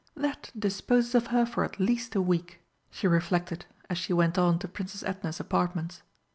"That disposes of her for at least a week," she reflected, as she went on to Princess Edna's apartments.